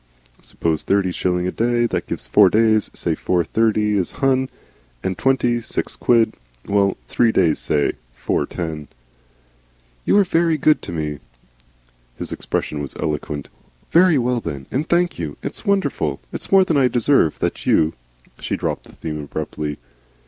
(Suppose thirty shillings a day, that gives four days, say four thirties is hun' and twenty, six quid, well, three days, say; four ten.) "You are very good to me." His expression was eloquent. "Very well, then, and thank you. It's wonderful it's more than I deserve that you " She dropped the theme abruptly.